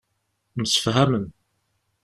Msefhamen.